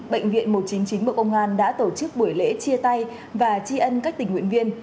bệnh viện một trăm chín mươi chín bộ công an đã tổ chức buổi lễ chia tay và tri ân các tình nguyện viên